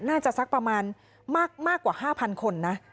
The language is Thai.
สักประมาณมากกว่า๕๐๐คนนะ